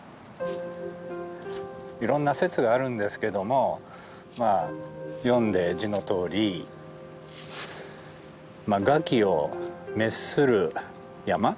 いろんな説があるんですけども読んで字のとおり餓鬼を滅する山。